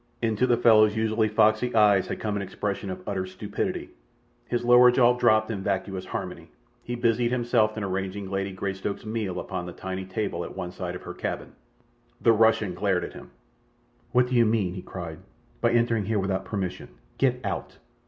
Into the fellow's usually foxy eyes had come an expression of utter stupidity. His lower jaw drooped in vacuous harmony. He busied himself in arranging Lady Greystoke's meal upon the tiny table at one side of her cabin. The Russian glared at him. "What do you mean," he cried, "by entering here without permission? Get out!"